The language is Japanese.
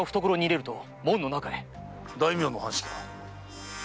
大名の藩士か。